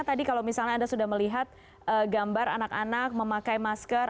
tadi kalau misalnya anda sudah melihat gambar anak anak memakai masker